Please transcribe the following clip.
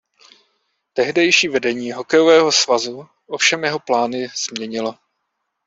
Tehdejší vedení hokejového svazu ovšem jeho plány změnilo.